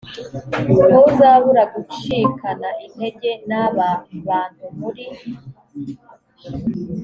ntuzabura gucikana intege n’aba bantu muri